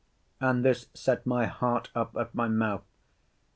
And this set my heart up at my mouth.